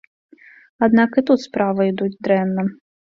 Аднак і тут справа ідуць дрэнна.